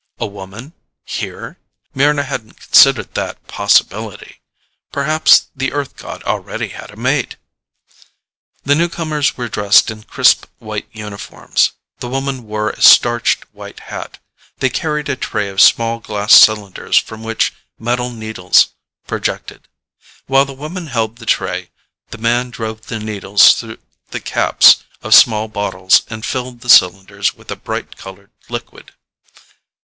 A woman here? Mryna hadn't considered that possibility. Perhaps the Earth god already had a mate. The newcomers were dressed in crisp, white uniforms; the woman wore a starched, white hat. They carried a tray of small, glass cylinders from which metal needles projected. While the woman held the tray, the man drove the needles through the caps of small bottles and filled the cylinders with a bright colored liquid.